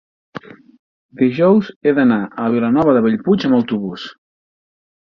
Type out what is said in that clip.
dijous he d'anar a Vilanova de Bellpuig amb autobús.